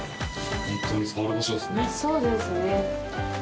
そうですね。